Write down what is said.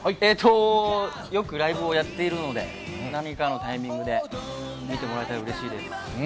よくライブをやっているので、何かのタイミングで見てもらえたら嬉しいです。